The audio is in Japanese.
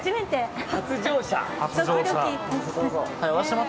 初乗車。